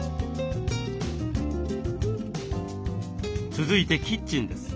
続いてキッチンです。